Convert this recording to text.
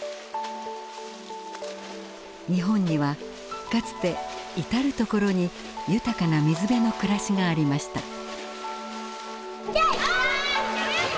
日本にはかつて至るところに豊かな水辺の暮らしがありました。